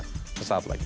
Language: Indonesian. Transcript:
sampai saat lagi